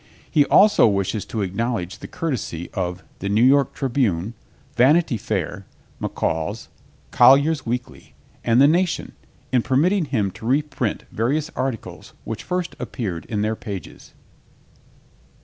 He also wishes to acknowledge the courtesy of The New York Tribune, Vanity Fair, McCall's, Collier's Weekly and The Nation in permitting him to reprint various articles which first appeared in their pages.